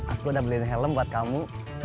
aku udah beliin helm buat kamu